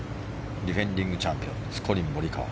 ディフェンディングチャンピオンコリン・モリカワ。